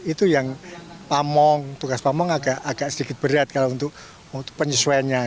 itu yang pamong tugas pamong agak sedikit berat kalau untuk penyesuaiannya